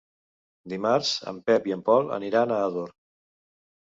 Dimarts en Pep i en Pol aniran a Ador.